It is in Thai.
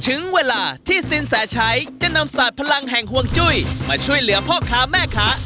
ถึงเวลาที่สินแสชัยจะนำศาสตร์พลังแห่งห่วงจุ้ยมาช่วยเหลือพ่อค้าแม่ค้า